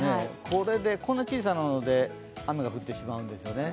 これでこんな小さいもので雨が降ってしまうんですね。